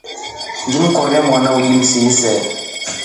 Ngile mkorya mwana uji usise.